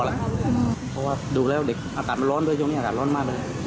เพราะว่าดูแล้วเด็กอากาศมันร้อนด้วยช่วงนี้อากาศร้อนมากเลย